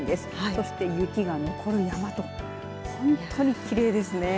そして雪が残る山と本当にきれいですね。